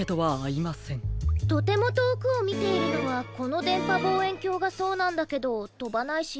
とてもとおくをみているのはこのでんぱぼうえんきょうがそうなんだけどとばないし。